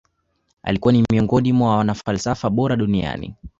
Alikuwa ni miongoni mwa wanafalsafa bora duniani